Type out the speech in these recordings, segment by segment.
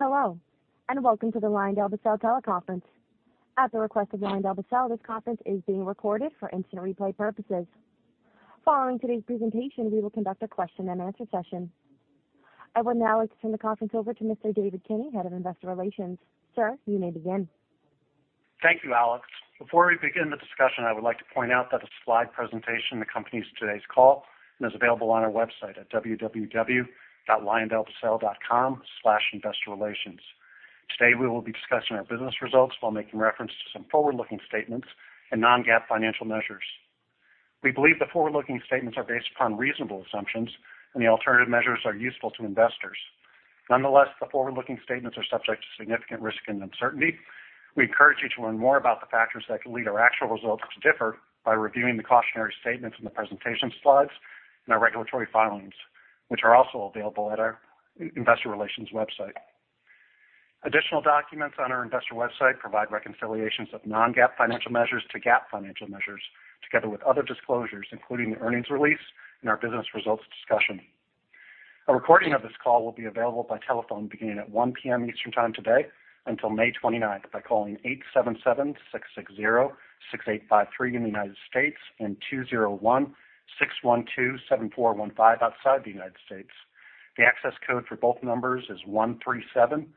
Hello, and welcome to the LyondellBasell Teleconference. At the request of LyondellBasell, this conference is being recorded for instant replay purposes. Following today's presentation, we will conduct a question-and-answer session. I would now like to turn the conference over to Mr. David Kinney, Head of Investor Relations. Sir, you may begin. Thank you, Alex. Before we begin the discussion, I would like to point out that the slide presentation that accompanies today's call is available on our website at www.lyondellbasell.com/investorrelations. Today, we will be discussing our business results while making reference to some forward-looking statements and non-GAAP financial measures. We believe the forward-looking statements are based upon reasonable assumptions and the alternative measures are useful to investors. Nonetheless, the forward-looking statements are subject to significant risk and uncertainty. We encourage you to learn more about the factors that can lead our actual results to differ by reviewing the cautionary statements in the presentation slides and our regulatory filings, which are also available at our investor relations website. Additional documents on our investor website provide reconciliations of non-GAAP financial measures to GAAP financial measures, together with other disclosures, including the earnings release and our business results discussion. A recording of this call will be available by telephone beginning at 1.00 P.M. Eastern Time today until May 29 by calling 877-660-6853 in the United States and 201-612-7415 outside the United States. The access code for both numbers is 13727006.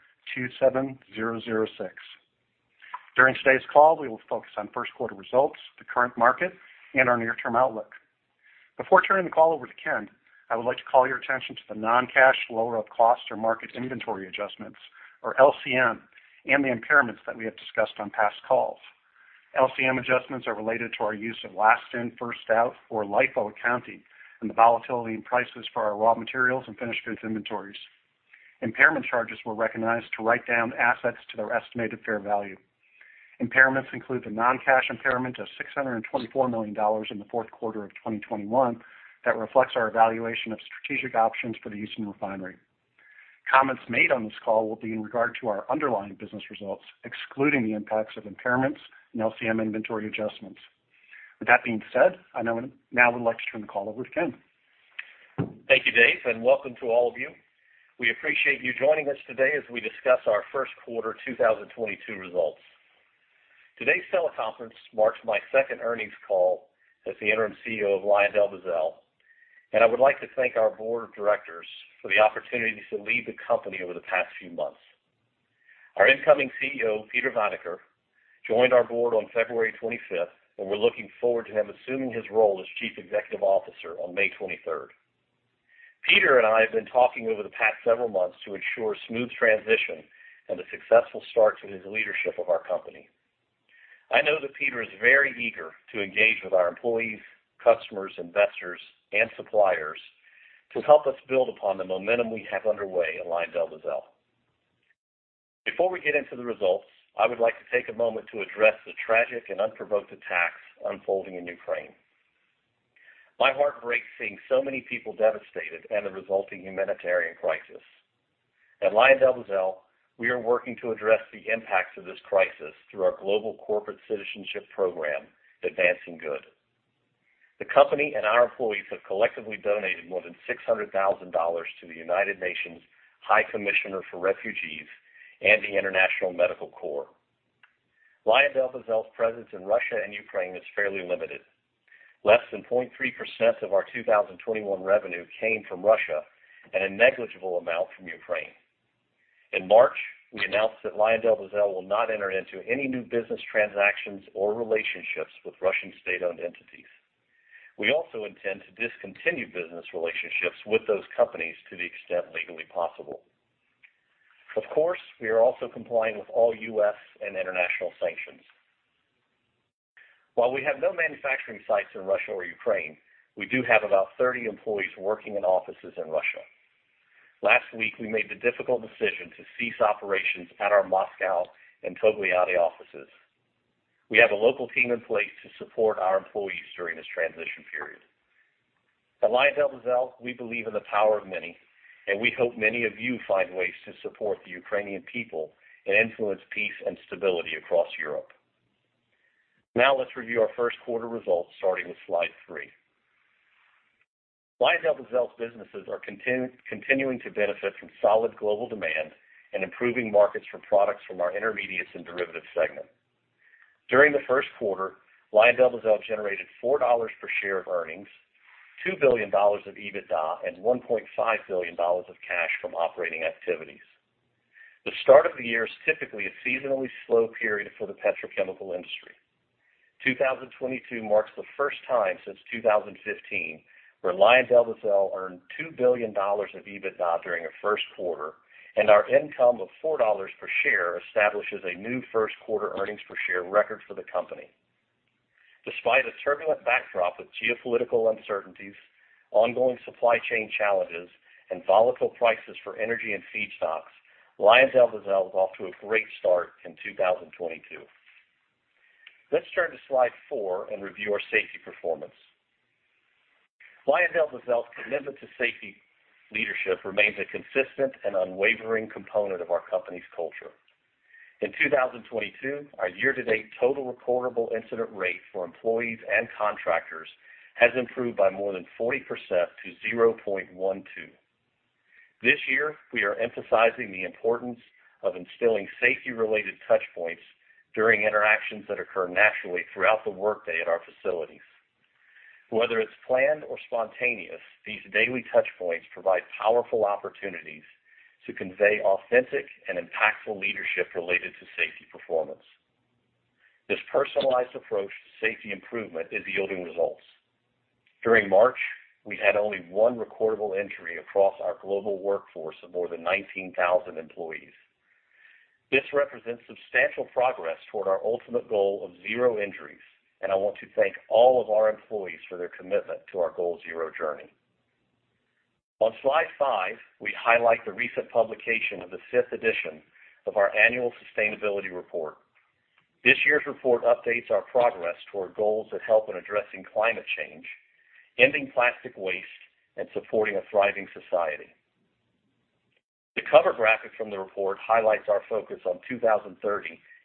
During today's call, we will focus on first quarter results, the current market, and our near-term outlook. Before turning the call over to Ken, I would like to call your attention to the non-cash lower of cost or market inventory adjustments, or LCM, and the impairments that we have discussed on past calls. LCM adjustments are related to our use of last in, first out, or LIFO accounting and the volatility in prices for our raw materials and finished goods inventories. Impairment charges were recognized to write down assets to their estimated fair value. Impairments include the non-cash impairment of $624 million in the fourth quarter of 2021 that reflects our evaluation of strategic options for the Houston Refinery. Comments made on this call will be in regard to our underlying business results, excluding the impacts of impairments and LCM inventory adjustments. With that being said, I now would like to turn the call over to Ken. Thank you, Dave, and welcome to all of you. We appreciate you joining us today as we discuss our first quarter 2022 results. Today's teleconference marks my second earnings call as the interim CEO of LyondellBasell, and I would like to thank our board of directors for the opportunity to lead the company over the past few months. Our incoming CEO, Peter Vanacker, joined our board on February 25th, and we're looking forward to him assuming his role as Chief Executive Officer on May 23rd. Peter and I have been talking over the past several months to ensure smooth transition and a successful start to his leadership of our company. I know that Peter is very eager to engage with our employees, customers, investors, and suppliers to help us build upon the momentum we have underway at LyondellBasell. Before we get into the results, I would like to take a moment to address the tragic and unprovoked attacks unfolding in Ukraine. My heart breaks seeing so many people devastated and the resulting humanitarian crisis. At LyondellBasell, we are working to address the impacts of this crisis through our global corporate citizenship program, Advancing Good. The company and our employees have collectively donated more than $600,000 to the United Nations High Commissioner for Refugees and the International Medical Corps. LyondellBasell presence in Russia and Ukraine is fairly limited. Less than 0.3% of our 2021 revenue came from Russia and a negligible amount from Ukraine. In March, we announced that LyondellBasell will not enter into any new business transactions or relationships with Russian state-owned entities. We also intend to discontinue business relationships with those companies to the extent legally possible. Of course, we are also complying with all U.S. and international sanctions. While we have no manufacturing sites in Russia or Ukraine, we do have about 30 employees working in offices in Russia. Last week, we made the difficult decision to cease operations at our Moscow and Togliatti offices. We have a local team in place to support our employees during this transition period. At LyondellBasell, we believe in the power of many, and we hope many of you find ways to support the Ukrainian people and influence peace and stability across Europe. Now let's review our first quarter results, starting with slide three. LyondellBasell businesses are continuing to benefit from solid global demand and improving markets for products from our Intermediates and Derivatives segment. During the first quarter, LyondellBasell generated $4 per share of earnings, $2 billion of EBITDA, and $1.5 billion of cash from operating activities. The start of the year is typically a seasonally slow period for the petrochemical industry. 2022 marks the first time since 2015 where LyondellBasell earned $2 billion of EBITDA during a first quarter, and our income of $4 per share establishes a new first quarter earnings per share record for the company. Despite a turbulent backdrop of geopolitical uncertainties, ongoing supply chain challenges, and volatile prices for energy and feedstocks, LyondellBasell is off to a great start in 2022. Let's turn to slide four and review our safety performance. LyondellBasell commitment to safety leadership remains a consistent and unwavering component of our company's culture. In 2022, our year-to-date total recordable incident rate for employees and contractors has improved by more than 40% to 0.12. This year, we are emphasizing the importance of instilling safety-related touch points during interactions that occur naturally throughout the workday at our facilities. Whether it's planned or spontaneous, these daily touch points provide powerful opportunities to convey authentic and impactful leadership related to safety performance. This personalized approach to safety improvement is yielding results. During March, we had only one recordable injury across our global workforce of more than 19,000 employees. This represents substantial progress toward our ultimate goal of zero injuries, and I want to thank all of our employees for their commitment to our GoalZero journey. On slide five, we highlight the recent publication of the fifth edition of our annual sustainability report. This year's report updates our progress toward goals that help in addressing climate change, ending plastic waste, and supporting a thriving society. The cover graphic from the report highlights our focus on 2030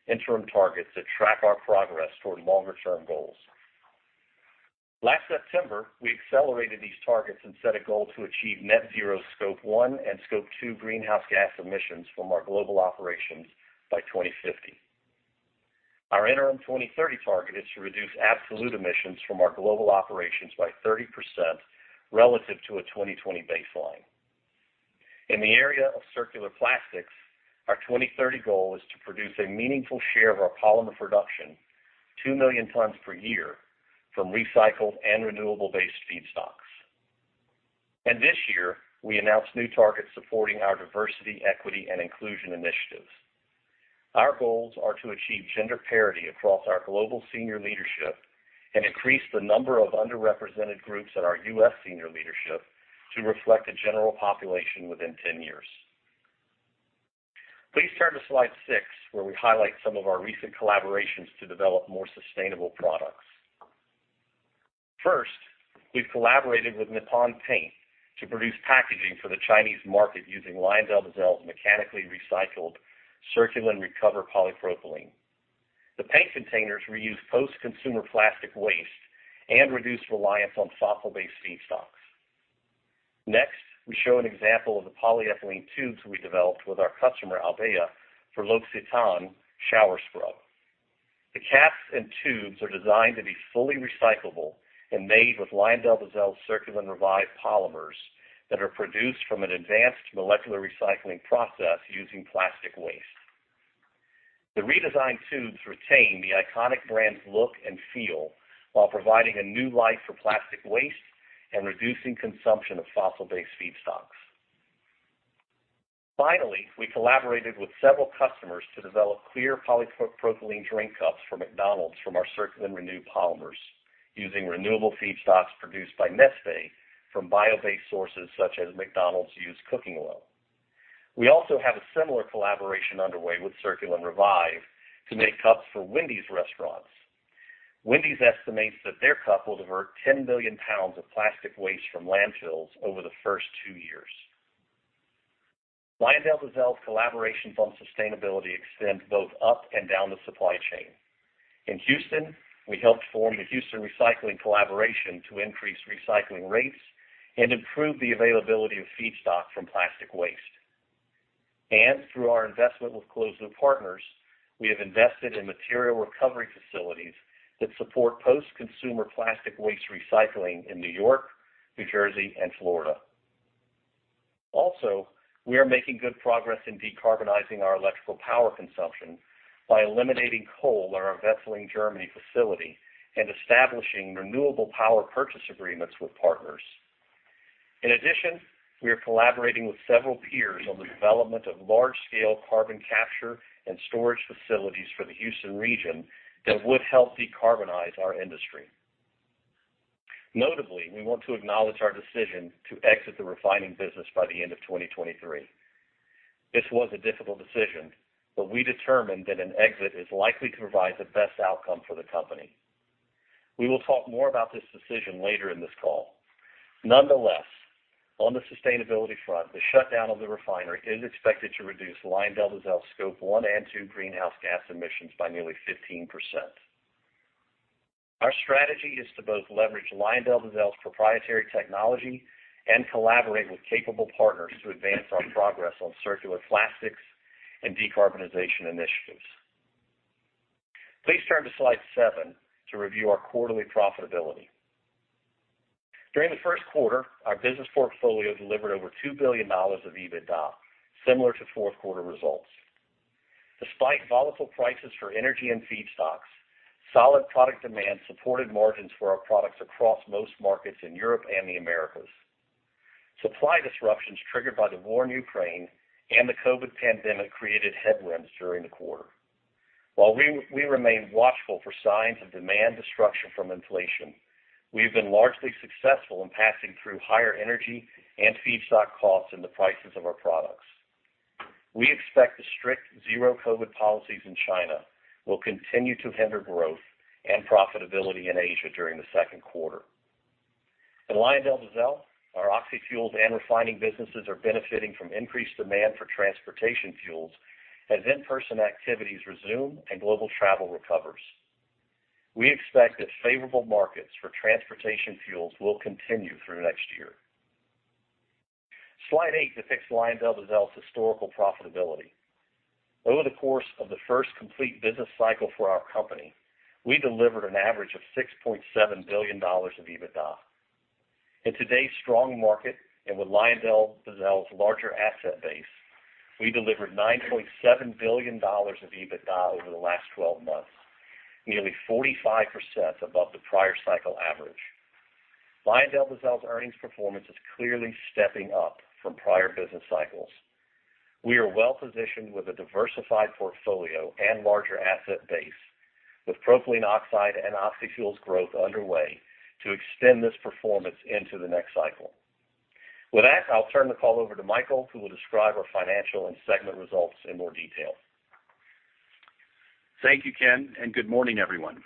interim targets that track our progress toward longer-term goals. Last September, we accelerated these targets and set a goal to achieve net-zero Scope 1 and Scope 2 greenhouse gas emissions from our global operations by 2050. Our interim 2030 target is to reduce absolute emissions from our global operations by 30% relative to a 2020 baseline. In the area of circular plastics, our 2030 goal is to produce a meaningful share of our polymer production, 2 million tons per year, from recycled and renewable-based feedstocks. This year, we announced new targets supporting our diversity, equity, and inclusion initiatives. Our goals are to achieve gender parity across our global senior leadership and increase the number of underrepresented groups in our U.S. senior leadership to reflect the general population within 10 years. Please turn to slide six, where we highlight some of our recent collaborations to develop more sustainable products. First, we've collaborated with Nippon Paint to produce packaging for the Chinese market using LyondellBasell mechanically recycled CirculenRecover polypropylene. The paint containers reuse post-consumer plastic waste and reduce reliance on fossil-based feedstocks. Next, we show an example of the polyethylene tubes we developed with our customer, Albéa, for L'Occitane shower scrub. The caps and tubes are designed to be fully recyclable and made with LyondellBasell CirculenRevive polymers that are produced from an advanced molecular recycling process using plastic waste. The redesigned tubes retain the iconic brand's look and feel while providing a new life for plastic waste and reducing consumption of fossil-based feedstocks. Finally, we collaborated with several customers to develop clear polypropylene drink cups for McDonald's from our CirculenRenew polymers using renewable feedstocks produced by Neste from bio-based sources such as McDonald's used cooking oil. We also have a similar collaboration underway with CirculenRevive to make cups for Wendy's restaurants. Wendy's estimates that their cup will divert 10 million pounds of plastic waste from landfills over the first two years. LyondellBasell collaborations on sustainability extend both up and down the supply chain. In Houston, we helped form the Houston Recycling Collaboration to increase recycling rates and improve the availability of feedstock from plastic waste. Through our investment with Closed Loop Partners, we have invested in material recovery facilities that support post-consumer plastic waste recycling in New York, New Jersey, and Florida. Also, we are making good progress in decarbonizing our electrical power consumption by eliminating coal at our Wesseling, Germany, facility and establishing renewable power purchase agreements with partners. In addition, we are collaborating with several peers on the development of large-scale carbon capture and storage facilities for the Houston region that would help decarbonize our industry. Notably, we want to acknowledge our decision to exit the refining business by the end of 2023. This was a difficult decision, but we determined that an exit is likely to provide the best outcome for the company. We will talk more about this decision later in this call. Nonetheless, on the sustainability front, the shutdown of the refinery is expected to reduce LyondellBasell Scope 1 and 2 greenhouse gas emissions by nearly 15%. Our strategy is to both leverage LyondellBasell proprietary technology and collaborate with capable partners to advance our progress on circular plastics and decarbonization initiatives. Please turn to slide seven to review our quarterly profitability. During the first quarter, our business portfolio delivered over $2 billion of EBITDA, similar to fourth quarter results. Despite volatile prices for energy and feedstocks, solid product demand supported margins for our products across most markets in Europe and the Americas. Supply disruptions triggered by the war in Ukraine and the COVID pandemic created headwinds during the quarter. While we remain watchful for signs of demand destruction from inflation, we have been largely successful in passing through higher energy and feedstock costs in the prices of our products. We expect the strict zero-COVID policies in China will continue to hinder growth and profitability in Asia during the second quarter. In LyondellBasell, our oxyfuels and refining businesses are benefiting from increased demand for transportation fuels as in-person activities resume and global travel recovers. We expect that favorable markets for transportation fuels will continue through next year. Slide eight depicts LyondellBasell historical profitability. Over the course of the first complete business cycle for our company, we delivered an average of $6.7 billion of EBITDA. In today's strong market, and with LyondellBasell larger asset base, we delivered $9.7 billion of EBITDA over the last 12 months, nearly 45% above the prior cycle average. LyondellBasell earnings performance is clearly stepping up from prior business cycles. We are well-positioned with a diversified portfolio and larger asset base, with propylene oxide and oxyfuels growth underway to extend this performance into the next cycle. With that, I'll turn the call over to Michael, who will describe our financial and segment results in more detail. Thank you, Ken, and good morning, everyone.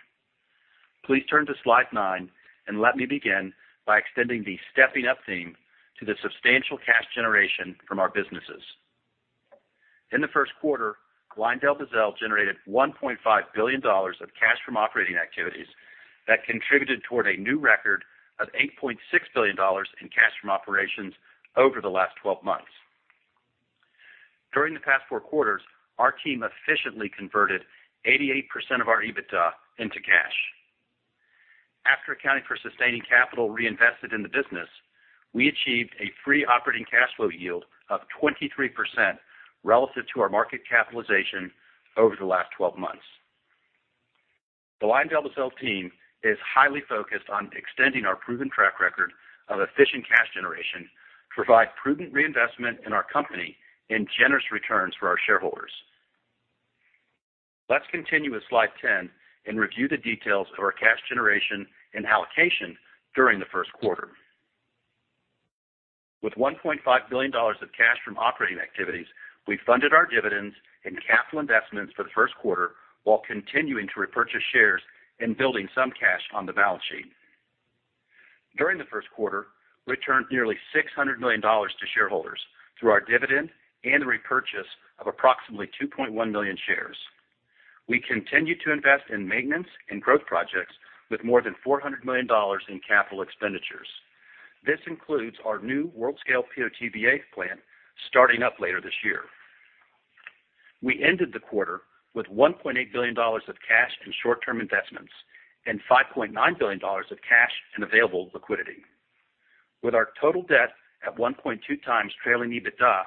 Please turn to slide nine and let me begin by extending the stepping up theme to the substantial cash generation from our businesses. In the first quarter, LyondellBasell generated $1.5 billion of cash from operating activities that contributed toward a new record of $8.6 billion in cash from operations over the last twelve months. During the past four quarters, our team efficiently converted 88% of our EBITDA into cash. After accounting for sustaining capital reinvested in the business, we achieved a free operating cash flow yield of 23% relative to our market capitalization over the last 12 months. The LyondellBasell team is highly focused on extending our proven track record of efficient cash generation to provide prudent reinvestment in our company and generous returns for our shareholders. Let's continue with slide 10 and review the details of our cash generation and allocation during the first quarter. With $1.5 billion of cash from operating activities, we funded our dividends and capital investments for the first quarter while continuing to repurchase shares and building some cash on the balance sheet. During the first quarter, we returned nearly $600 million to shareholders through our dividend and the repurchase of approximately 2.1 million shares. We continue to invest in maintenance and growth projects with more than $400 million in capital expenditures. This includes our new world scale PO/TBA plant starting up later this year. We ended the quarter with $1.8 billion of cash and short-term investments and $5.9 billion of cash and available liquidity. With our total debt at 1.2x trailing EBITDA,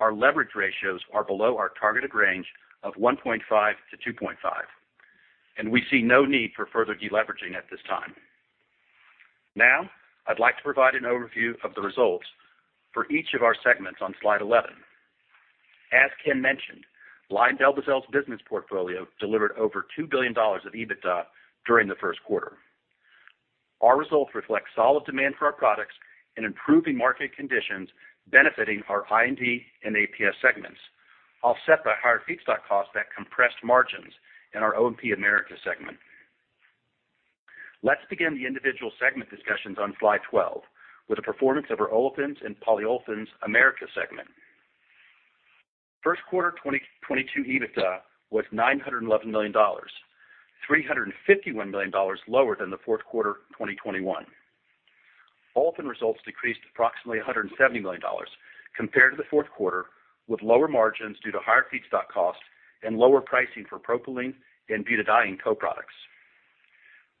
our leverage ratios are below our targeted range of 1.5x-2.5x, and we see no need for further deleveraging at this time. Now, I'd like to provide an overview of the results for each of our segments on slide 11. As Ken mentioned, LyondellBasell business portfolio delivered over $2 billion of EBITDA during the first quarter. Our results reflect solid demand for our products and improving market conditions benefiting our I&D and APS segments, offset by higher feedstock costs that compressed margins in our O&P Americas segment. Let's begin the individual segment discussions on slide 12 with the performance of our Olefins and Polyolefins Americas segment. First quarter 2022 EBITDA was $911 million, $351 million lower than the fourth quarter of 2021. Olefins results decreased approximately $170 million compared to the fourth quarter, with lower margins due to higher feedstock costs and lower pricing for propylene and butadiene co-products.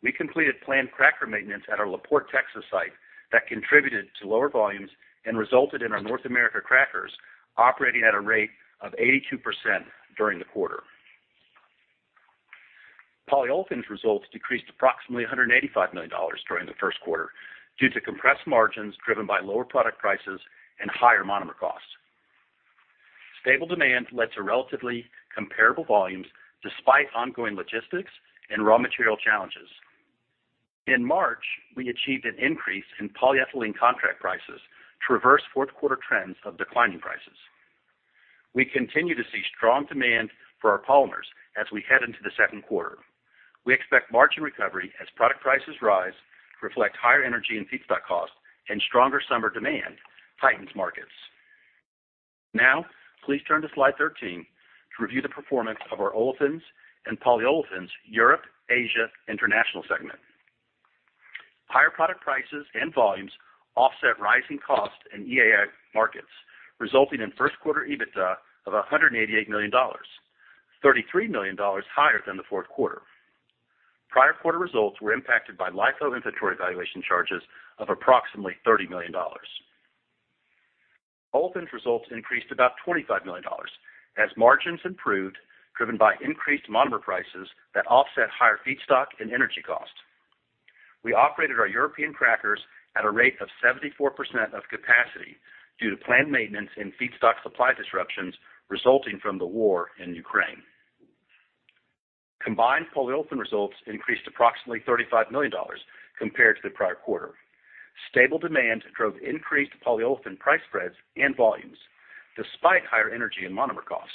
We completed planned cracker maintenance at our La Porte, Texas site that contributed to lower volumes and resulted in our North America crackers operating at a rate of 82% during the quarter. Polyolefins results decreased approximately $185 million during the first quarter due to compressed margins driven by lower product prices and higher monomer costs. Stable demand led to relatively comparable volumes despite ongoing logistics and raw material challenges. In March, we achieved an increase in polyethylene contract prices to reverse fourth quarter trends of declining prices. We continue to see strong demand for our polymers as we head into the second quarter. We expect margin recovery as product prices rise to reflect higher energy and feedstock costs and stronger summer demand tightens markets. Now please turn to slide 13 to review the performance of our Olefins and Polyolefins Europe, Asia, International segment. Higher product prices and volumes offset rising costs in EAI markets, resulting in first quarter EBITDA of $188 million, $33 million higher than the fourth quarter. Prior quarter results were impacted by LIFO inventory valuation charges of approximately $30 million. Olefins results increased about $25 million as margins improved, driven by increased monomer prices that offset higher feedstock and energy costs. We operated our European crackers at a rate of 74% of capacity due to planned maintenance and feedstock supply disruptions resulting from the war in Ukraine. Combined polyolefin results increased approximately $35 million compared to the prior quarter. Stable demand drove increased polyolefin price spreads and volumes despite higher energy and monomer costs.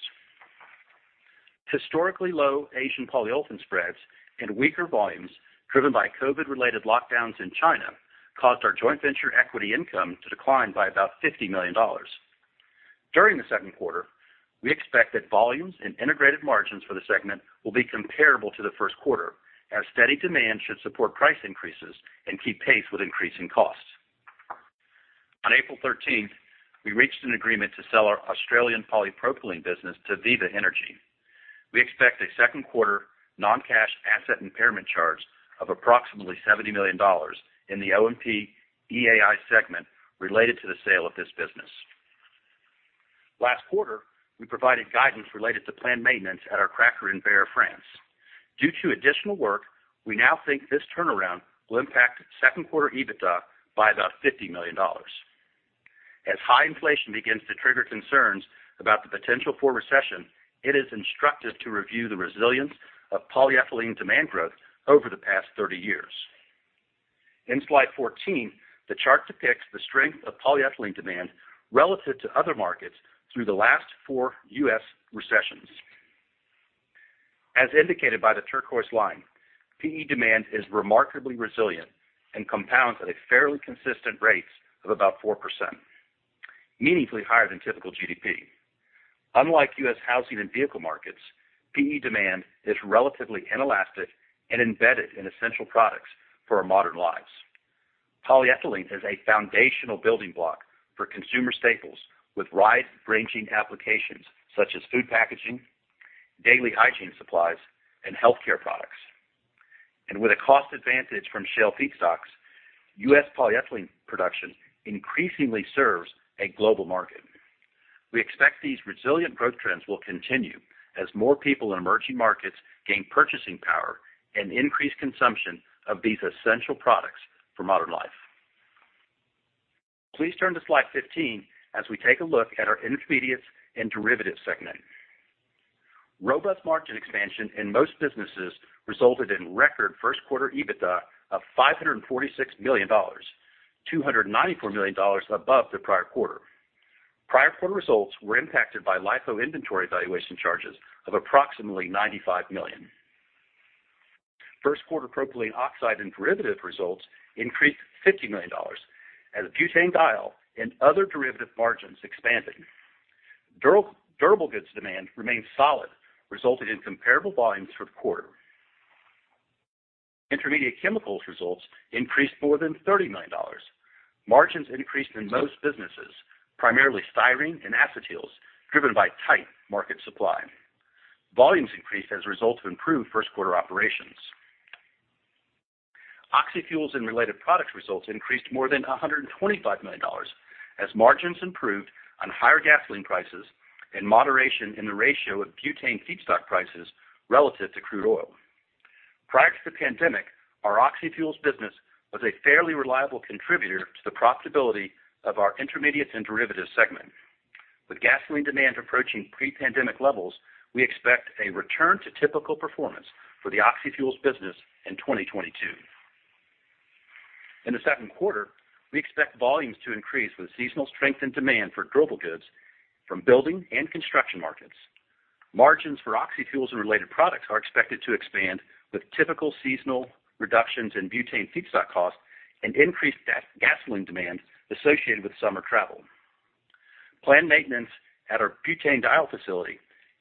Historically low Asian polyolefin spreads and weaker volumes driven by COVID related lockdowns in China caused our joint venture equity income to decline by about $50 million. During the second quarter, we expect that volumes and integrated margins for the segment will be comparable to the first quarter as steady demand should support price increases and keep pace with increasing costs. On April 13th, we reached an agreement to sell our Australian polypropylene business to Viva Energy. We expect a second quarter non-cash asset impairment charge of approximately $70 million in the O&P EAI segment related to the sale of this business. Last quarter, we provided guidance related to planned maintenance at our cracker in Berre, France. Due to additional work, we now think this turnaround will impact second quarter EBITDA by about $50 million. As high inflation begins to trigger concerns about the potential for recession, it is instructive to review the resilience of polyethylene demand growth over the past 30 years. In slide 14, the chart depicts the strength of polyethylene demand relative to other markets through the last four U.S. recessions. As indicated by the turquoise line, PE demand is remarkably resilient and compounds at a fairly consistent rates of about 4%, meaningfully higher than typical GDP. Unlike U.S. housing and vehicle markets, PE demand is relatively inelastic and embedded in essential products for our modern lives. Polyethylene is a foundational building block for consumer staples with wide-ranging applications such as food packaging, daily hygiene supplies, and healthcare products. With a cost advantage from Shell feedstocks, U.S. polyethylene production increasingly serves a global market. We expect these resilient growth trends will continue as more people in emerging markets gain purchasing power and increase consumption of these essential products for modern life. Please turn to slide 15 as we take a look at our intermediates and derivatives segment. Robust margin expansion in most businesses resulted in record first quarter EBITDA of $546 million, $294 million above the prior quarter. Prior quarter results were impacted by LIFO inventory valuation charges of approximately $95 million. First quarter propylene oxide and derivative results increased $50 million as butanediol and other derivative margins expanded. Durable goods demand remained solid, resulting in comparable volumes for the quarter. Intermediate chemicals results increased more than $30 million. Margins increased in most businesses, primarily styrene and acetyls, driven by tight market supply. Volumes increased as a result of improved first quarter operations. Oxyfuels and related products results increased more than $125 million as margins improved on higher gasoline prices and moderation in the ratio of butane feedstock prices relative to crude oil. Prior to the pandemic, our oxyfuels business was a fairly reliable contributor to the profitability of our Intermediates and Derivatives segment. With gasoline demand approaching pre-pandemic levels, we expect a return to typical performance for the oxyfuels business in 2022. In the second quarter, we expect volumes to increase with seasonal strength and demand for durable goods from building and construction markets. Margins for oxyfuels and related products are expected to expand with typical seasonal reductions in butane feedstock costs and increased gas-gasoline demand associated with summer travel. Planned maintenance at our butanediol facility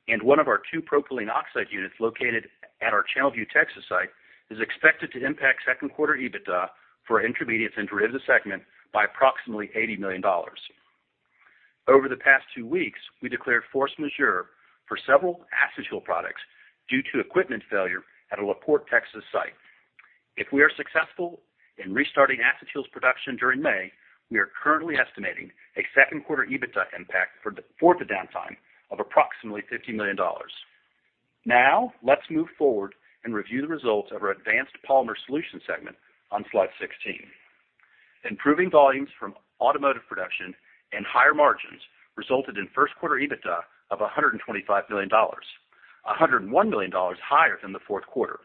and one of our two propylene oxide units located at our Channelview, Texas site is expected to impact second quarter EBITDA for Intermediates and Derivatives segment by approximately $80 million. Over the past two weeks, we declared force majeure for several acetyls due to equipment failure at a La Porte, Texas site. If we are successful in restarting acetyls production during May, we are currently estimating a second quarter EBITDA impact for the downtime of approximately $50 million. Now, let's move forward and review the results of our Advanced Polymer Solutions segment on slide 16. Improving volumes from automotive production and higher margins resulted in first quarter EBITDA of $125 million, $101 million higher than the fourth quarter.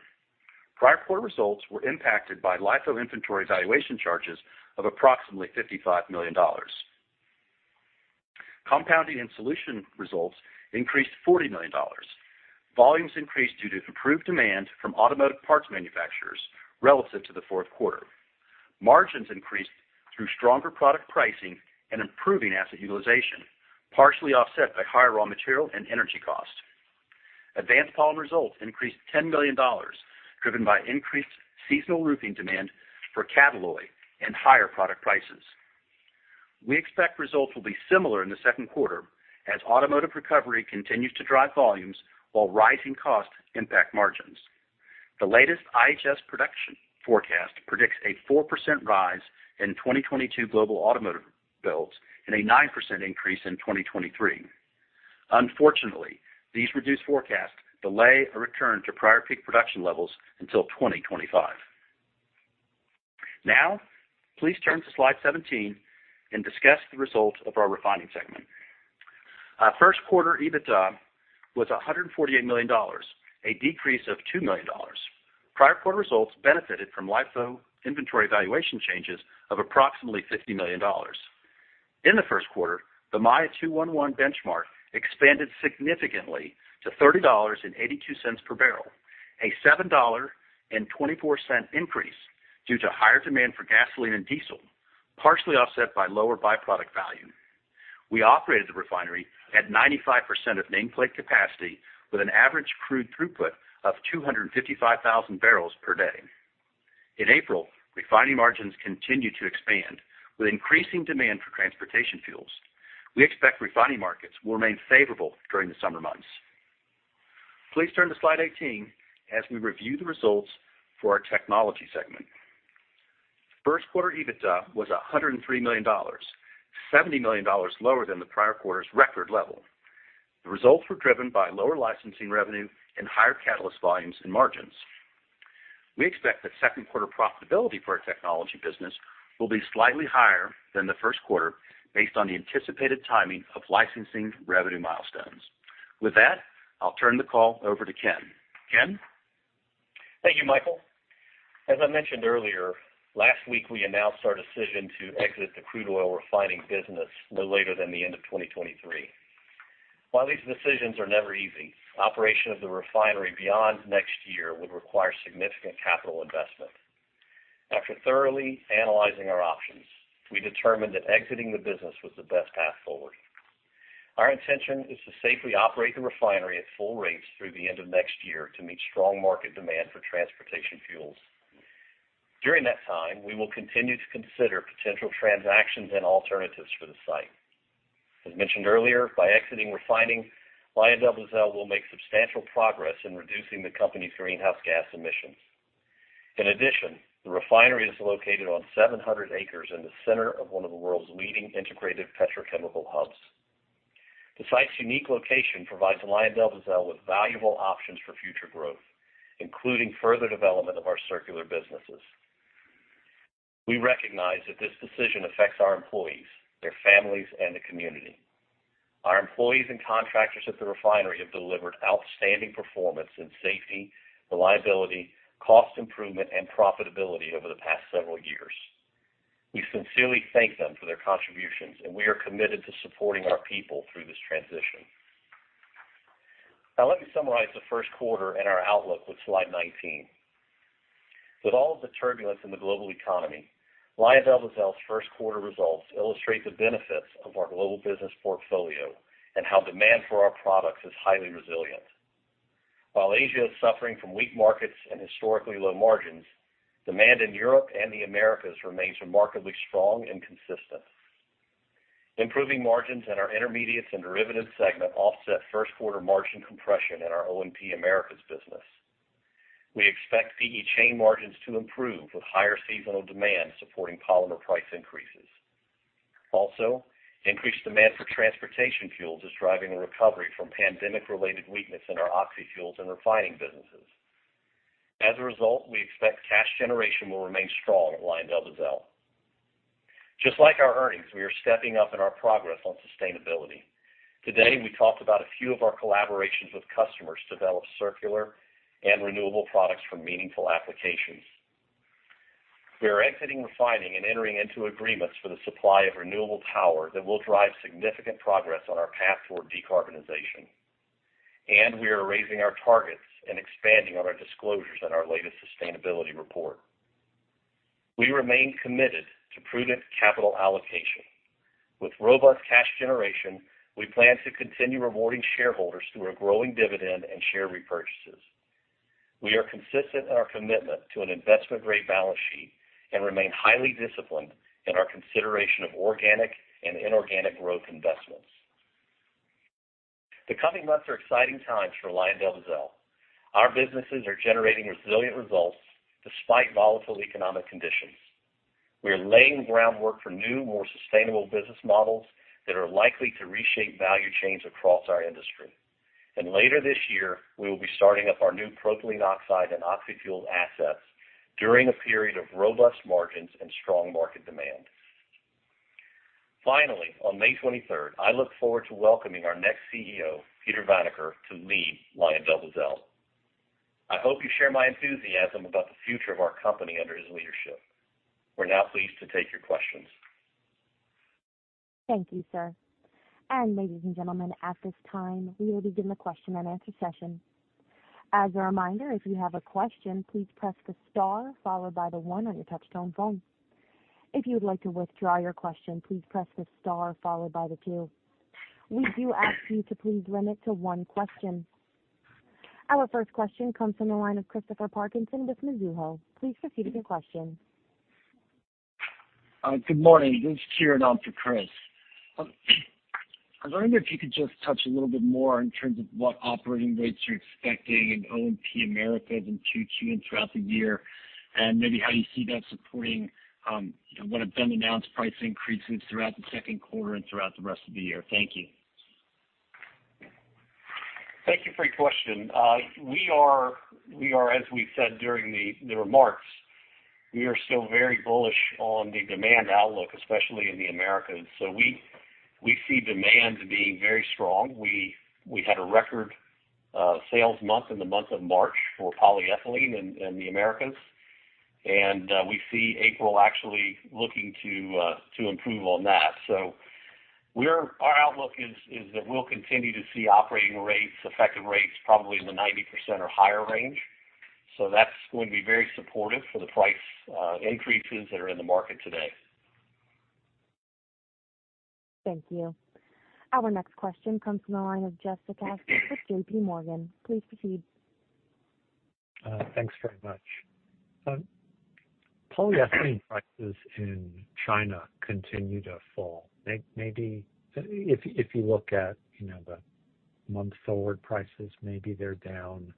Prior quarter results were impacted by LIFO inventory valuation charges of approximately $55 million. Compounding and solution results increased $40 million. Volumes increased due to improved demand from automotive parts manufacturers relative to the fourth quarter. Margins increased through stronger product pricing and improving asset utilization, partially offset by higher raw material and energy costs. Advanced polymer results increased $10 million, driven by increased seasonal roofing demand for Catalloy and higher product prices. We expect results will be similar in the second quarter as automotive recovery continues to drive volumes while rising costs impact margins. The latest IHS production forecast predicts a 4% rise in 2022 global automotive builds and a 9% increase in 2023. Unfortunately, these reduced forecasts delay a return to prior peak production levels until 2025. Now, please turn to slide 17 and discuss the results of our refining segment. Our first quarter EBITDA was $148 million, a decrease of $2 million. Prior quarter results benefited from LIFO inventory valuation changes of approximately $50 million. In the first quarter, the Maya 2-1-1 benchmark expanded significantly to $30.82 per barrel, a $7.24 increase due to higher demand for gasoline and diesel, partially offset by lower byproduct value. We operated the refinery at 95% of nameplate capacity with an average crude throughput of 255,000 barrels per day. In April, refining margins continued to expand with increasing demand for transportation fuels. We expect refining markets will remain favorable during the summer months. Please turn to slide 18 as we review the results for our technology segment. First quarter EBITDA was $103 million, $70 million lower than the prior quarter's record level. The results were driven by lower licensing revenue and higher catalyst volumes and margins. We expect that second quarter profitability for our Technology business will be slightly higher than the first quarter based on the anticipated timing of licensing revenue milestones. With that, I'll turn the call over to Ken. Ken? Thank you, Michael. As I mentioned earlier, last week we announced our decision to exit the crude oil refining business no later than the end of 2023. While these decisions are never easy, operation of the refinery beyond next year would require significant capital investment. After thoroughly analysing our options, we determined that exiting the business was the best path forward. Our intention is to safely operate the refinery at full rates through the end of next year to meet strong market demand for transportation fuels. During that time, we will continue to consider potential transactions and alternatives for the site. As mentioned earlier, by exiting refining, LyondellBasell will make substantial progress in reducing the company's greenhouse gas emissions. In addition, the refinery is located on 700 acres in the center of one of the world's leading integrated petrochemical hubs. The site's unique location provides LyondellBasell with valuable options for future growth, including further development of our circular businesses. We recognize that this decision affects our employees, their families, and the community. Our employees and contractors at the refinery have delivered outstanding performance in safety, reliability, cost improvement, and profitability over the past several years. We sincerely thank them for their contributions, and we are committed to supporting our people through this transition. Now let me summarize the first quarter and our outlook with slide 19. With all of the turbulence in the global economy, LyondellBasell first quarter results illustrate the benefits of our global business portfolio and how demand for our products is highly resilient. While Asia is suffering from weak markets and historically low margins, demand in Europe and the Americas remains remarkably strong and consistent. Improving margins in our Intermediates and Derivatives segment offset first quarter margin compression in our O&P Americas business. We expect PE chain margins to improve with higher seasonal demand supporting polymer price increases. Also, increased demand for transportation fuels is driving a recovery from pandemic-related weakness in our oxyfuels and refining businesses. As a result, we expect cash generation will remain strong at LyondellBasell. Just like our earnings, we are stepping up in our progress on sustainability. Today, we talked about a few of our collaborations with customers to develop circular and renewable products for meaningful applications. We are exiting refining and entering into agreements for the supply of renewable power that will drive significant progress on our path toward decarbonization. We are raising our targets and expanding on our disclosures in our latest sustainability report. We remain committed to prudent capital allocation. With robust cash generation, we plan to continue rewarding shareholders through a growing dividend and share repurchases. We are consistent in our commitment to an investment-grade balance sheet and remain highly disciplined in our consideration of organic and inorganic growth investments. The coming months are exciting times for LyondellBasell. Our businesses are generating resilient results despite volatile economic conditions. We are laying groundwork for new, more sustainable business models that are likely to reshape value chains across our industry. Later this year, we will be starting up our new propylene oxide and oxyfuel assets during a period of robust margins and strong market demand. Finally, on May 23rd, I look forward to welcoming our next CEO, Peter Vanacker, to lead LyondellBasell. I hope you share my enthusiasm about the future of our company under his leadership. We're now pleased to take your questions. Thank you, sir. Ladies and gentlemen, at this time, we will begin the question and answer session. As a reminder, if you have a question, please press the star followed by the one on your touch-tone phone. If you would like to withdraw your question, please press the star followed by the two. We do ask you to please limit to one question. Our first question comes from the line of Christopher Parkinson with Mizuho. Please proceed with your question. Good morning. This is Kieran on for Chris. I was wondering if you could just touch a little bit more in terms of what operating rates you're expecting in O&P Americas in Q2 and throughout the year, and maybe how you see that supporting, you know, what have been announced price increases throughout the second quarter and throughout the rest of the year. Thank you. Thank you for your question. We are, as we said during the remarks, still very bullish on the demand outlook, especially in the Americas. We see demand being very strong. We had a record sales month in the month of March for polyethylene in the Americas. We see April actually looking to improve on that. Our outlook is that we'll continue to see operating rates, effective rates probably in the 90% or higher range. That's going to be very supportive for the price increases that are in the market today. Thank you. Our next question comes from the line of Jeff Zekauskas with JPMorgan. Please proceed. Thanks very much. Polyethylene prices in China continue to fall. Maybe if you look at, you know, the month forward prices, maybe they're down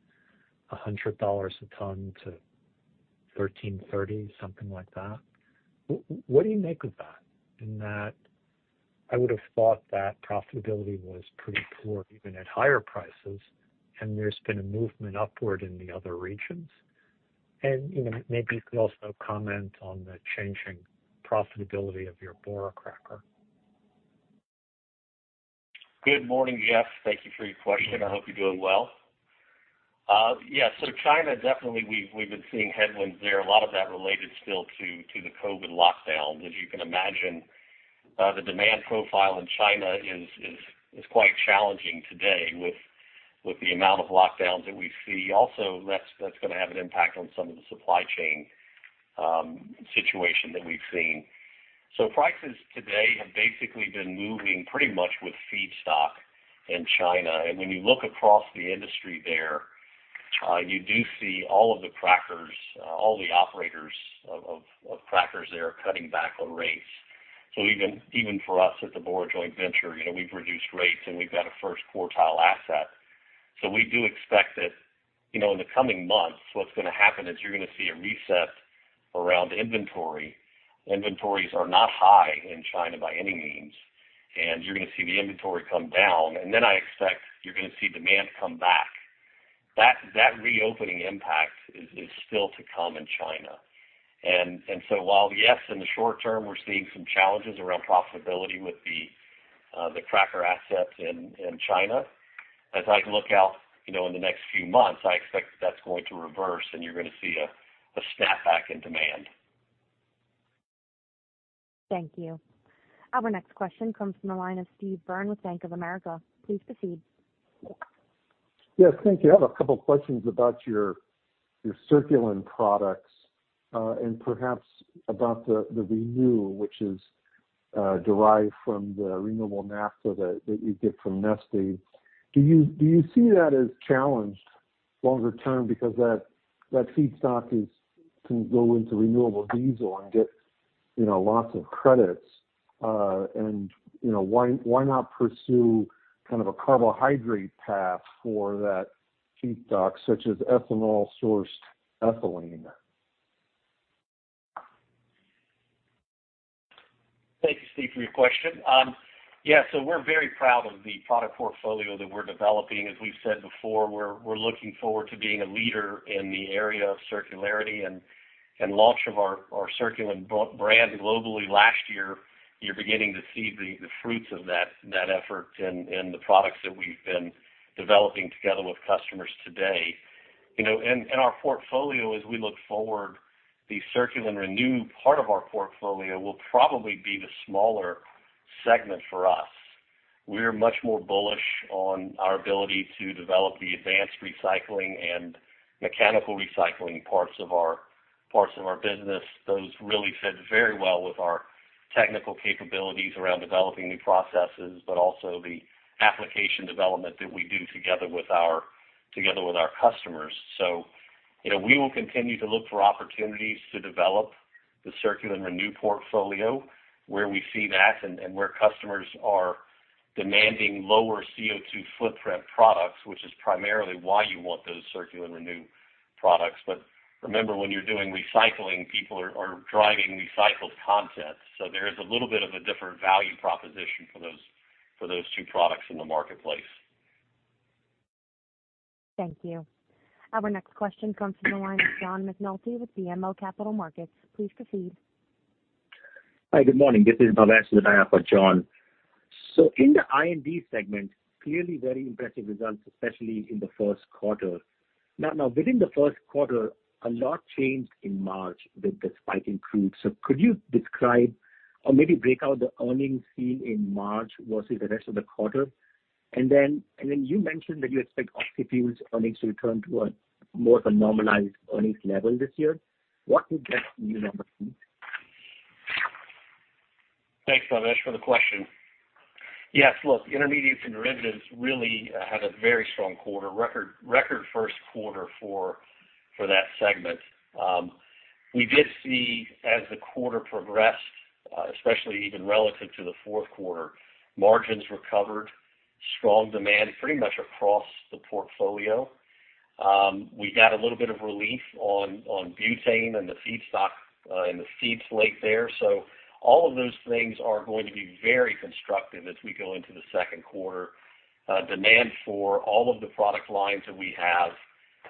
$100 a ton to $1,330, something like that. What do you make of that? In that I would have thought that profitability was pretty poor even at higher prices, and there's been a movement upward in the other regions. Maybe you could also comment on the changing profitability of your Bora cracker. Good morning, Jeff. Thank you for your question. I hope you're doing well. China, definitely, we've been seeing headwinds there. A lot of that related still to the COVID lockdowns. As you can imagine, the demand profile in China is quite challenging today with the amount of lockdowns that we see. Also, that's going to have an impact on some of the supply chain situation that we've seen. Prices today have basically been moving pretty much with feedstock in China. When you look across the industry there, you do see all of the crackers, all the operators of crackers there cutting back on rates. Even for us at the Bora joint venture, you know, we've reduced rates, and we've got a first-quartile asset. We do expect that in the coming months, what's going to happen is you're going to see a reset around inventory. Inventories are not high in China by any means, and you're going to see the inventory come down, and then I expect you're going to see demand come back. That reopening impact is still to come in China. While, yes, in the short term, we're seeing some challenges around profitability with the cracker assets in China, as I look out in the next few months, I expect that that's going to reverse and you're going to see a snapback in demand. Thank you. Our next question comes from the line of Steve Byrne with Bank of America. Please proceed. Yes. Thank you. I have a couple of questions about your Circulen products, and perhaps about the Renew, which is derived from the renewable naphtha that you get from Neste. Do you see that as challenged longer term because that feedstock can go into renewable diesel and get lots of credits? You know, why not pursue kind of a carbohydrate path for that feedstock, such as ethanol-sourced ethylene? Thank you, Steve, for your question. We're very proud of the product portfolio that we're developing. As we've said before, we're looking forward to being a leader in the area of circularity and launch of our Circulen brand globally last year. You're beginning to see the fruits of that effort and the products that we've been developing together with customers today. Our portfolio as we look forward, the CirculenRenew part of our portfolio will probably be the smaller segment for us. We are much more bullish on our ability to develop the advanced recycling and mechanical recycling parts of our business. Those really fit very well with our technical capabilities around developing new processes, but also the application development that we do together with our customers. You know, we will continue to look for opportunities to develop the CirculenRenew portfolio where we see that and where customers are demanding lower CO2 footprint products, which is primarily why you want those CirculenRenew products. Remember, when you're doing recycling, people are driving recycled content. There is a little bit of a different value proposition for those two products in the marketplace. Thank you. Our next question comes from the line of John McNulty with BMO Capital Markets. Please proceed. Hi, good morning. This is Navesh Nayar for John. In the I&D segment, clearly very impressive results, especially in the first quarter. Now within the first quarter, a lot changed in March with the spike in crude. Could you describe or maybe break out the earnings seen in March versus the rest of the quarter? You mentioned that you expect oxyfuels' earnings to return to more of a normalized earnings level this year. What would that new number be? Thanks, Navesh, for the question. Yes. Look, Intermediates and Derivatives really had a very strong quarter. Record first quarter for that segment. We did see as the quarter progressed, especially even relative to the fourth quarter, margins recovered, strong demand pretty much across the portfolio. We got a little bit of relief on butane and the feedstock, and the feed slate there. All of those things are going to be very constructive as we go into the second quarter. Demand for all of the product lines that we have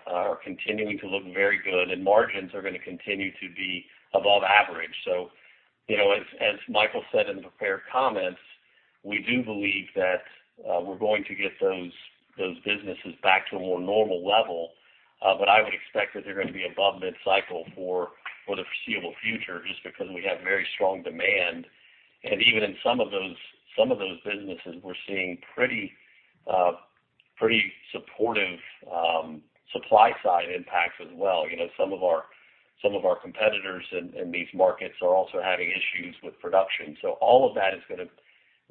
are continuing to look very good, and margins are going to continue to be above average. You know, as Michael said in the prepared comments. We do believe that, we're going to get those businesses back to a more normal level. I would expect that they're gonna be above mid-cycle for the foreseeable future just because we have very strong demand. Even in some of those businesses, we're seeing pretty supportive supply side impacts as well. You know, some of our competitors in these markets are also having issues with production. All of that is gonna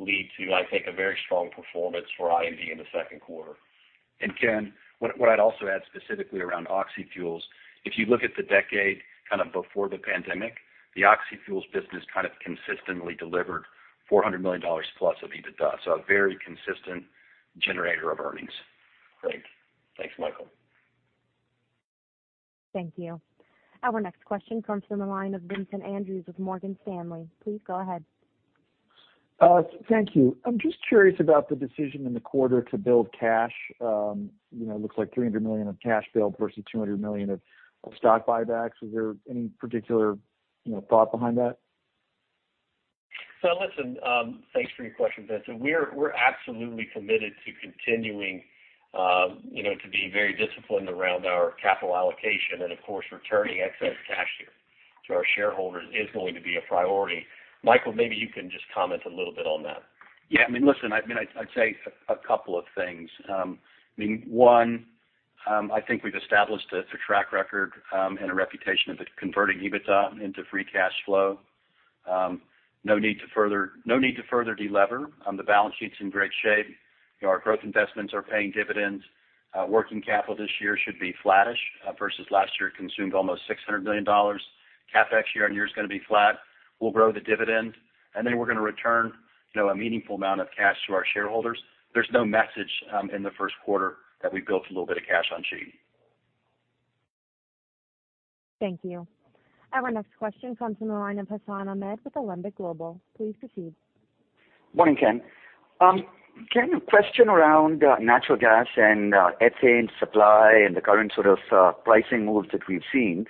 lead to, I think, a very strong performance for I&D in the second quarter. Ken, what I'd also add specifically around oxyfuels, if you look at the decade and before the pandemic, the oxyfuels business kind of consistently delivered $400 million plus of EBITDA, so a very consistent generator of earnings. Great. Thanks, Michael. Thank you. Our next question comes from the line of Vincent Andrews with Morgan Stanley. Please go ahead. Thank you. I'm just curious about the decision in the quarter to build cash. You know, it looks like $300 million of cash build versus $200 million of stock buybacks. Was there any particular thought behind that? Listen, thanks for your question, Vincent. We're absolutely committed to continuing to be very disciplined around our capital allocation and of course, returning excess cash here to our shareholders is going to be a priority. Michael, maybe you can just comment a little bit on that. Yeah. I mean, listen, I mean, I'd say a couple of things. I mean, one, I think we've established a track record and a reputation of converting EBITDA into free cash flow. No need to further de-lever. The balance sheet's in great shape. You know, our growth investments are paying dividends. Working capital this year should be flattish versus last year consumed almost $600 million. CapEx year-on-year is gonna be flat. We'll grow the dividend, and then we're gonna return, you know, a meaningful amount of cash to our shareholders. There's no message in the first quarter that we built a little bit of cash on sheet. Thank you. Our next question comes from the line of Hassan Ahmed with Alembic Global Advisors. Please proceed. Morning, Ken. Ken, a question around natural gas and ethane supply and the current pricing moves that we've seen.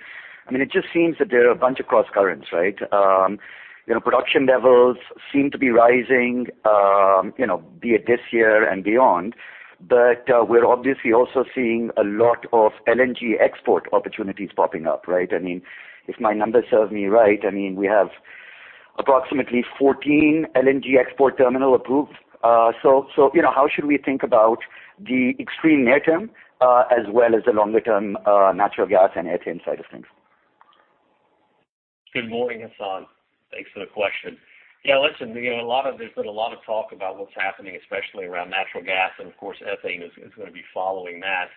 I mean, it just seems that there are a bunch of crosscurrents, right? You know, production levels seem to be rising be it this year and beyond. We're obviously also seeing a lot of LNG export opportunities popping up, right? I mean, if my numbers serve me right, I mean, we have approximately 14 LNG export terminals approved. So, you know, how should we think about the extreme near term, as well as the longer term, natural gas and ethane side of things? Good morning, Hassan. Thanks for the question. Yeah, listen, you know. There's been a lot of talk about what's happening, especially around natural gas, and of course, ethane is gonna be following that.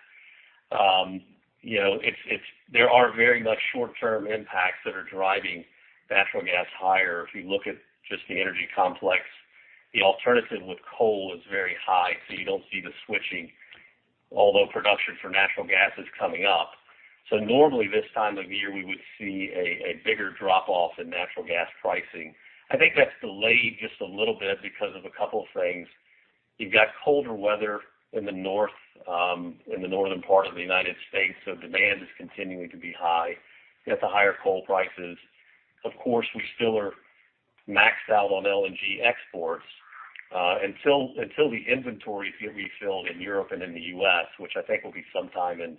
You know, it's there are very much short-term impacts that are driving natural gas higher. If you look at just the energy complex, the alternative with coal is very high, so you don't see the switching, although production for natural gas is coming up. Normally this time of year, we would see a bigger drop off in natural gas pricing. I think that's delayed just a little bit because of a couple of things. You've got colder weather in the north, in the northern part of the United States, so demand is continuing to be high. You have the higher coal prices. Of course, we still are maxed out on LNG exports. Until the inventories get refilled in Europe and in the U.S., which I think will be sometime in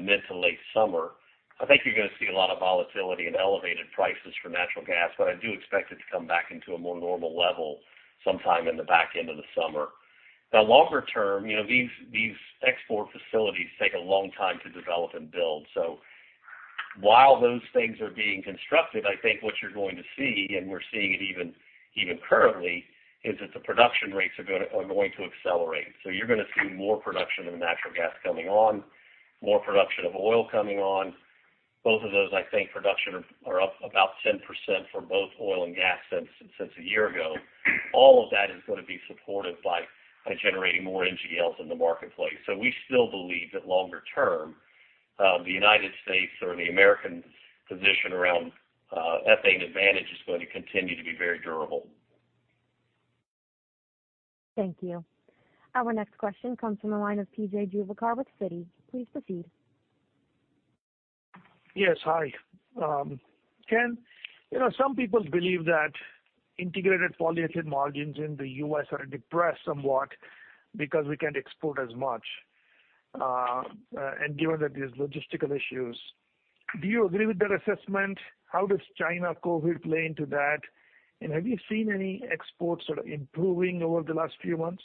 mid to late summer, I think you're gonna see a lot of volatility and elevated prices for natural gas but I do expect it to come back into a more normal level sometime in the back end of the summer. Now, longer term, you know, these export facilities take a long time to develop and build. So while those things are being constructed, I think what you're going to see, and we're seeing it even currently, is that the production rates are going to accelerate. So you're gonna see more production of natural gas coming on, more production of oil coming on. Both of those, I think, production are up about 10% for both oil and gas since a year ago. All of that is gonna be supported by generating more NGLs in the marketplace. We still believe that longer term, the United States or the American position around ethane advantage is going to continue to be very durable. Thank you. Our next question comes from the line of PJ Juvekar with Citi. Please proceed. Yes. Hi. Ken, you know, some people believe that integrated polyethylene margins in the U.S. are depressed somewhat because we can't export as much, and given that there's logistical issues. Do you agree with that assessment? How does China COVID play into that? And have you seen any exports improving over the last few months?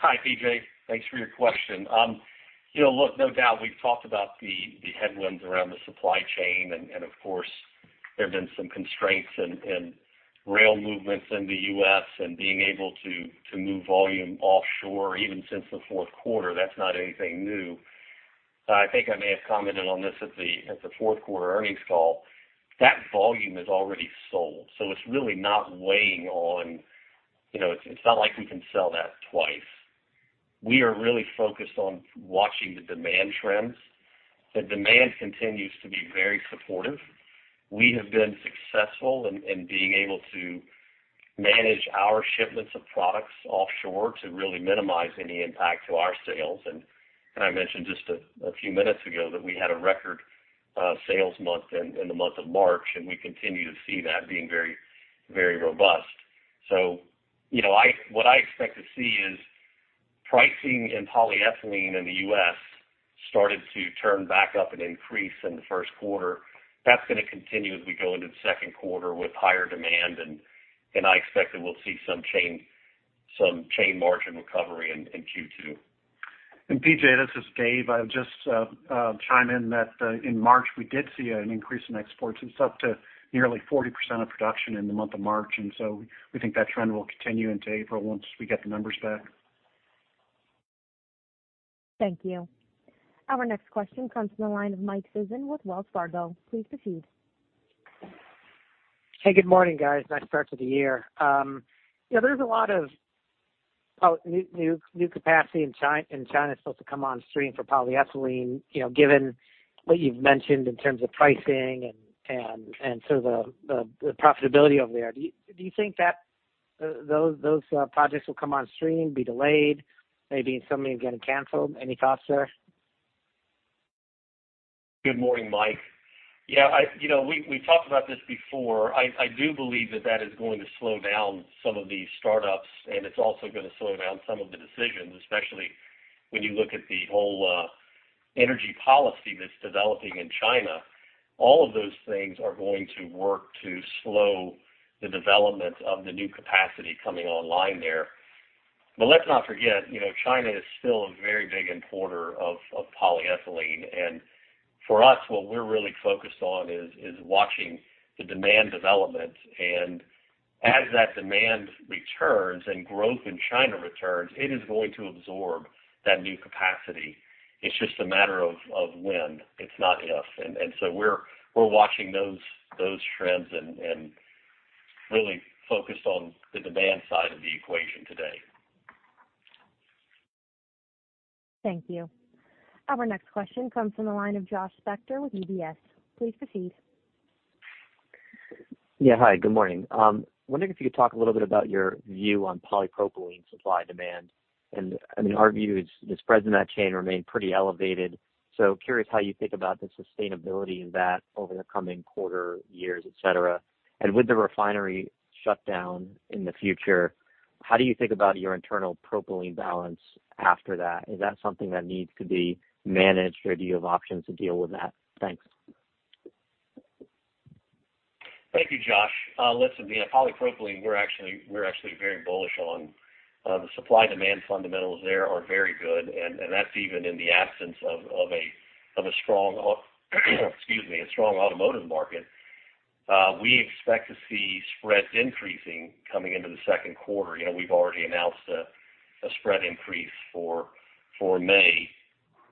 Hi, PJ. Thanks for your question. You know, look, no doubt we've talked about the headwinds around the supply chain, and of course, there have been some constraints in rail movements in the U.S. and being able to move volume offshore even since the fourth quarter. That's not anything new. I think I may have commented on this at the fourth quarter earnings call. That volume is already sold, so it's really not weighing on, you know, it's not like we can sell that twice. We are really focused on watching the demand trends. The demand continues to be very supportive. We have been successful in being able to manage our shipments of products offshore to really minimize any impact to our sales. I mentioned just a few minutes ago that we had a record sales month in the month of March, and we continue to see that being very robust. What I expect to see is pricing in polyethylene in the U.S. started to turn back up and increase in the first quarter. That's gonna continue as we go into the second quarter with higher demand, and I expect that we'll see some ethane margin recovery in Q2. PJ, this is Dave. I would just chime in that in March, we did see an increase in exports. It's up to nearly 40% of production in the month of March, and so we think that trend will continue into April once we get the numbers back. Thank you. Our next question comes from the line of Mike Sison with Wells Fargo. Please proceed. Hey, good morning, guys. Nice start to the year. There's a lot of new capacity in China supposed to come on stream for polyethylene. Given what you've mentioned in terms of pricing and so the profitability over there, do you think that those projects will come on stream, be delayed, maybe some are getting cancelled? Any thoughts there? Good morning, Mike. Yeah, you know, we talked about this before. I do believe that is going to slow down some of the start-ups, and it's also gonna slow down some of the decisions, especially when you look at the whole, energy policy that's developing in China. All of those things are going to work to slow the development of the new capacity coming online there. Let's not forget China is still a very big importer of polyethylene. For us, what we're really focused on is watching the demand development. As that demand returns and growth in China returns, it is going to absorb that new capacity. It's just a matter of when, it's not if. So we're watching those trends and really focused on the demand side of the equation today. Thank you. Our next question comes from the line of Josh Spector with UBS. Please proceed. Yeah. Hi, good morning. Wondering if you could talk a little bit about your view on polypropylene supply demand. I mean, our view is the spread in that chain remained pretty elevated. Curious how you think about the sustainability of that over the coming quarter years, et cetera. With the refinery shutdown in the future, how do you think about your internal propylene balance after that? Is that something that needs to be managed, or do you have options to deal with that? Thanks. Thank you, Josh. Listen, you know, polypropylene, we're actually very bullish on the supply-demand fundamentals there are very good and that's even in the absence of a strong automotive market. We expect to see spreads increasing coming into the second quarter. We've already announced a spread increase for May.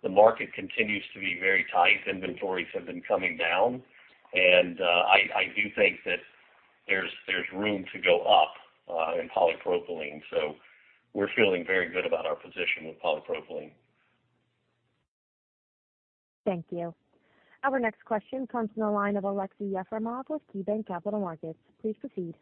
The market continues to be very tight. Inventories have been coming down. I do think that there's room to go up in polypropylene. We're feeling very good about our position with polypropylene. Thank you. Our next question comes from the line of Aleksey Yefremov with KeyBanc Capital Markets. Please proceed.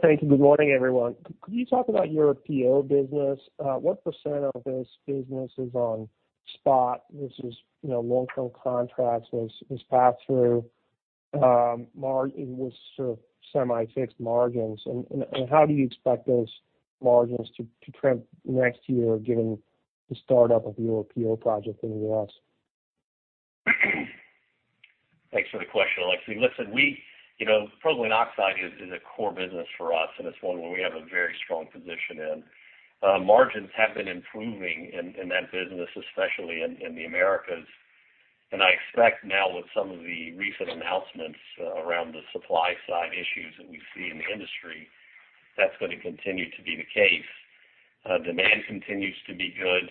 Thank you. Good morning, everyone. Could you talk about your PO business? What percent of this business is on spot versus long-term contracts as pass-through in this sort of semi-fixed margins? How do you expect those margins to trend next year given the start-up of your PO project in the US? Thanks for the question, Aleksey. Listen, You know, propylene oxide is a core business for us, and it's one where we have a very strong position in. Margins have been improving in that business, especially in the Americas. I expect now with some of the recent announcements around the supply side issues that we see in the industry, that's gonna continue to be the case. Demand continues to be good,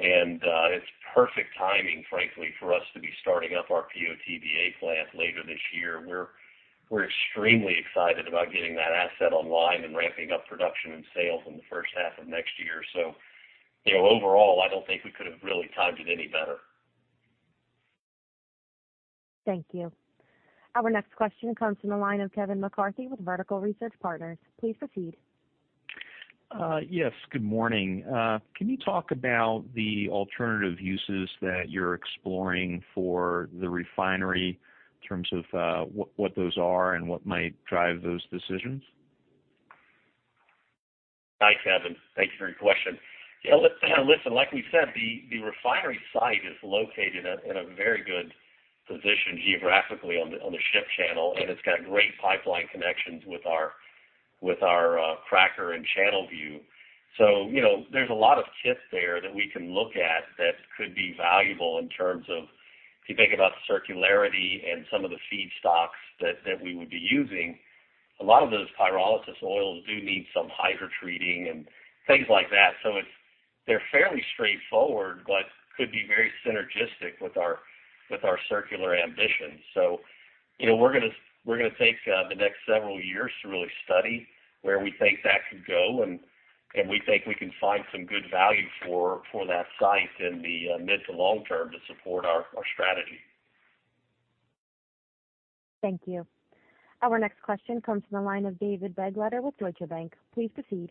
and it's perfect timing, frankly, for us to be starting up our PO/TBA plant later this year. We're extremely excited about getting that asset online and ramping up production and sales in the first half of next year. You know, overall, I don't think we could have really timed it any better. Thank you. Our next question comes from the line of Kevin McCarthy with Vertical Research Partners. Please proceed. Yes, good morning. Can you talk about the alternative uses that you're exploring for the refinery in terms of what those are and what might drive those decisions? Hi, Kevin. Thanks for your question. Yeah, listen, like we said, the refinery site is located in a very good position geographically on the ship channel, and it's got great pipeline connections with our cracker and Channelview. You know, there's a lot of fits there that we can look at that could be valuable in terms of if you think about circularity and some of the feedstocks that we would be using. A lot of those pyrolysis oils do need some hydrotreating and things like that. They're fairly straightforward, but could be very synergistic with our circular ambitions. You know, we're gonna take the next several years to really study where we think that could go, and we think we can find some good value for that site in the mid to long term to support our strategy. Thank you. Our next question comes from the line of David Begleiter with Deutsche Bank. Please proceed.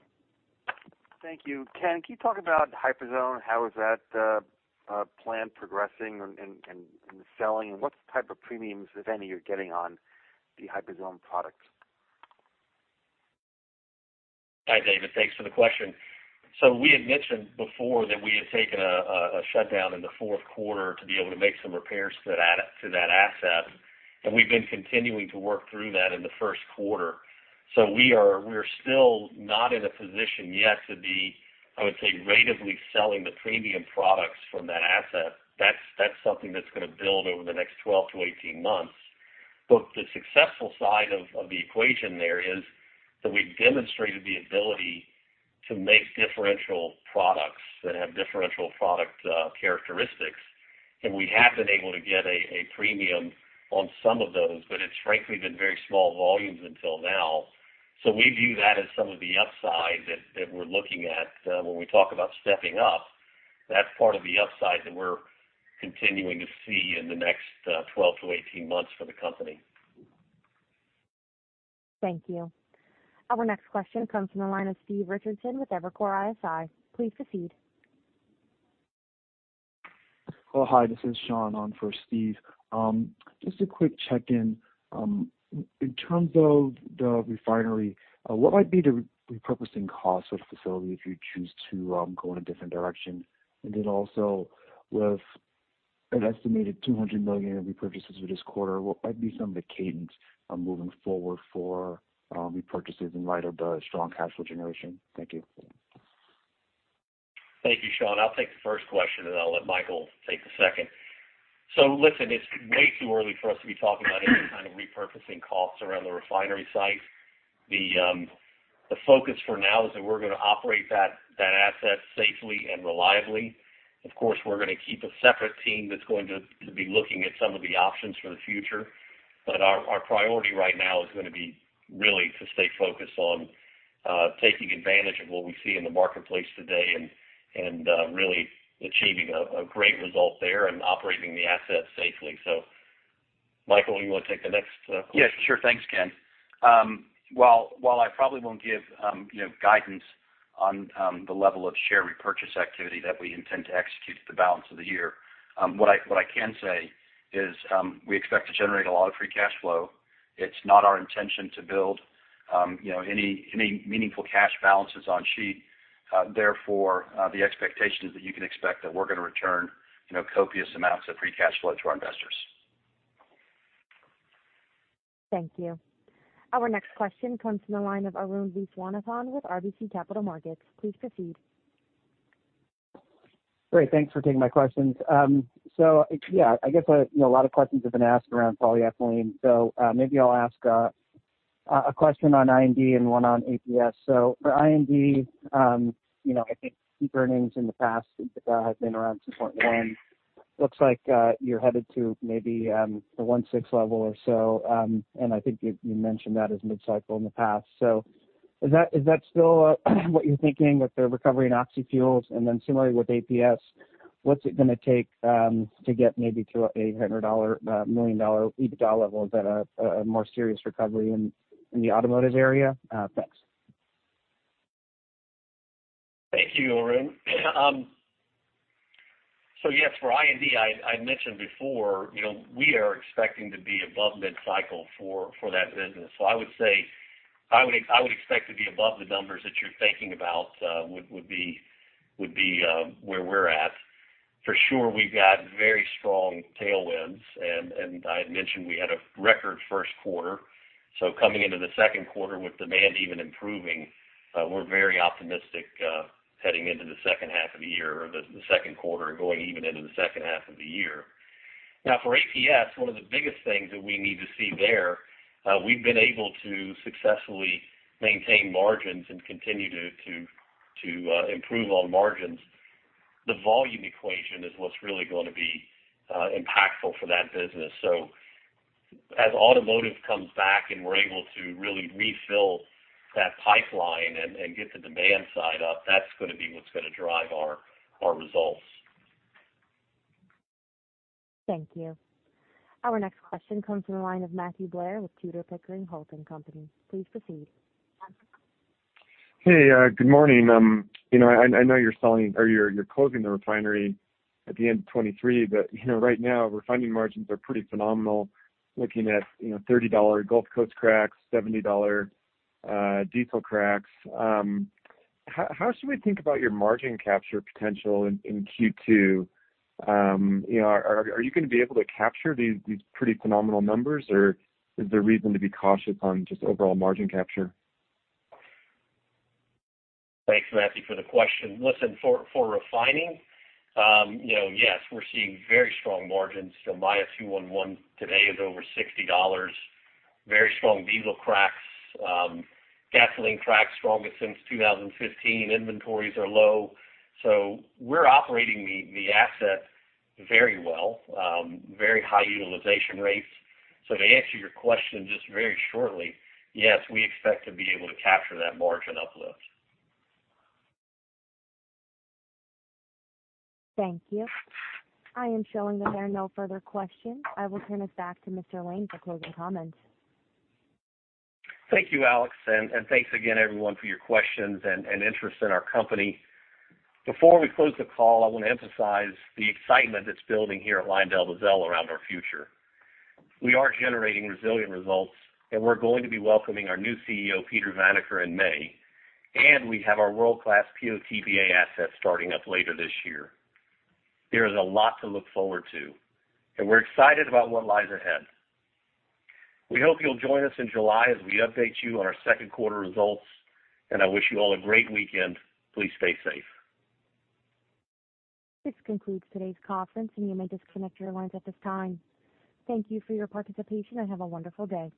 Thank you. Ken, can you talk about Hyperzone? How is that plan progressing and the selling? What type of premiums, if any, you're getting on the Hyperzone products? Hi, David. Thanks for the question. We had mentioned before that we had taken a shutdown in the fourth quarter to be able to make some repairs to that asset, and we've been continuing to work through that in the first quarter. We are still not in a position yet to be, I would say, rateably selling the premium products from that asset. That's something that's gonna build over the next 12-18 months. The successful side of the equation there is that we've demonstrated the ability to make differential products that have differential product characteristics. We have been able to get a premium on some of those, but it's frankly been very small volumes until now. We view that as some of the upside that we're looking at when we talk about stepping up. That's part of the upside that we're continuing to see in the next 12-18 months for the company. Thank you. Our next question comes from the line of Stephen Richardson with Evercore ISI. Please proceed. Well, hi, this is Sean on for Steve. Just a quick check-in. In terms of the refinery, what might be the repurposing cost of the facility if you choose to go in a different direction? Also, with an estimated $200 million in repurchases for this quarter, what might be some of the cadence moving forward for repurchases in light of the strong cash flow generation? Thank you. Thank you, Sean. I'll take the first question, and I'll let Michael take the second. Listen, it's way too early for us to be talking about any repurchasing costs around the refinery site. The focus for now is that we're gonna operate that asset safely and reliably. Of course, we're gonna keep a separate team that's going to be looking at some of the options for the future. Our priority right now is gonna be really to stay focused on taking advantage of what we see in the marketplace today and really achieving a great result there and operating the asset safely. Michael, you wanna take the next question? Yes, sure. Thanks, Ken. While I probably won't give, you know, guidance on the level of share repurchase activity that we intend to execute for the balance of the year, what I can say is, we expect to generate a lot of free cash flow. It's not our intention to build, you know, any meaningful cash balances on sheet. Therefore, the expectation is that you can expect that we're gonna return, you know, copious amounts of free cash flow to our investors. Thank you. Our next question comes from the line of Arun Viswanathan with RBC Capital Markets. Please proceed. Great. Thanks for taking my questions. A lot of questions have been asked around polyethylene, so maybe I'll ask a question on I&D and one on APS. For I&D, I think I&D earnings in the past has been around $2.1. Looks like you're headed to maybe the $1.6 level or so. I think you mentioned that as mid-cycle in the past. Is that still what you're thinking with the recovery in oxyfuels? Then similarly with APS, what's it gonna take to get maybe to a $100 million EBITDA level? Is that a more serious recovery in the automotive area? Thanks. Thank you, Arun. Yes, for I&D, I mentioned before, you know, we are expecting to be above mid-cycle for that business. I would expect to be above the numbers that you're thinking about, would be where we're at. For sure, we've got very strong tailwinds and I had mentioned we had a record first quarter. Coming into the second quarter with demand even improving, we're very optimistic heading into the second half of the year or the second quarter and going even into the second half of the year. Now, for APS, one of the biggest things that we need to see there, we've been able to successfully maintain margins and continue to improve on margins. The volume equation is what's really gonna be impactful for that business. As automotive comes back and we're able to really refill that pipeline and get the demand side up, that's gonna be what's gonna drive our results. Thank you. Our next question comes from the line of Matthew Blair with Tudor, Pickering, Holt & Co. Please proceed. Hey, good morning. I know you're selling or you're closing the refinery at the end of 2023. Right now, refining margins are pretty phenomenal. Looking at $30 Gulf Coast cracks, $70 diesel cracks. How should we think about your margin capture potential in Q2? You know, are you gonna be able to capture these pretty phenomenal numbers, or is there reason to be cautious on just overall margin capture? Thanks, Matthew, for the question. Listen, for refining, yes, we're seeing very strong margins. Maya 2-1-1 today is over $60. Very strong diesel cracks. Gasoline cracks strongest since 2015. Inventories are low. We're operating the asset very well, very high utilization rates. To answer your question just very shortly, yes, we expect to be able to capture that margin uplift. Thank you. I am showing that there are no further questions. I will turn it back to Mr. Lane for closing comments. Thank you, Alex, and thanks again, everyone, for your questions and interest in our company. Before we close the call, I wanna emphasize the excitement that's building here at LyondellBasell around our future. We are generating resilient results, and we're going to be welcoming our new CEO, Peter Vanacker, in May, and we have our world-class PO/TBA asset starting up later this year. There is a lot to look forward to, and we're excited about what lies ahead. We hope you'll join us in July as we update you on our second quarter results, and I wish you all a great weekend. Please stay safe. This concludes today's conference, and you may disconnect your lines at this time. Thank you for your participation, and have a wonderful day.